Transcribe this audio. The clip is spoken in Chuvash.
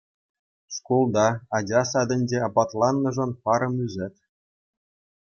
Шкулта, ача садӗнче апатланнӑшӑн парӑм ӳсет.